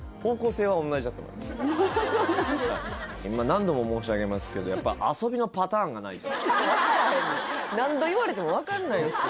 何度も申し上げますけどやっぱ分からへんねん何度言われても分かんないですよ